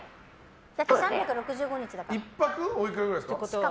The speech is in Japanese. だって３６５日だから。